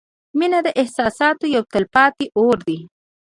• مینه د احساساتو یو تلپاتې اور دی.